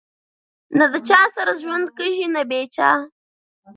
نه د چا سره ژوند کېږي نه بې چا